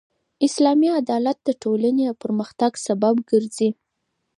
اسلامي عدالت د ټولني د پرمختګ سبب ګرځي.